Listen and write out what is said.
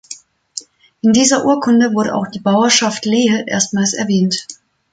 In dieser Urkunde wurde auch die Bauerschaft Lehe erstmals erwähnt.